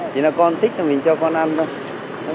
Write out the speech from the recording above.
chỉ là con thích thì mình cho con ăn thôi